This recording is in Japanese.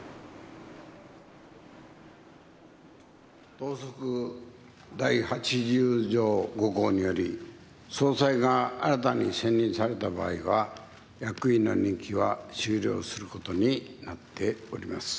党則第８０条５項により総裁が新たに選任された場合は役員の任期は終了することになっております。